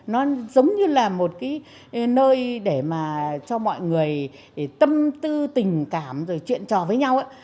nó giống như là một cái nơi để mà cho mọi người tâm tư tình cảm rồi chuyện trò với nhau